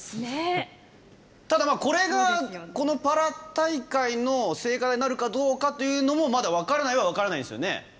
ただ、これがパラ大会の聖火台になるかどうかというのもまだ分からないは分からないんですよね。